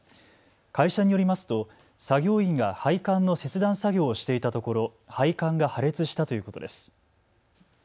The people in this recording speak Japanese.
会社によりますと作業員が配管の切断作業をしていたところ配管が破裂したということです。